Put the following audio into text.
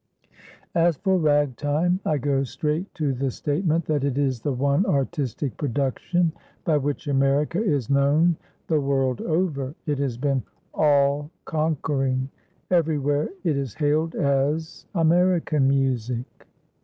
As for Ragtime, I go straight to the statement that it is the one artistic production by which America is known the world over. It has been all conquering. Everywhere it is hailed as "American music."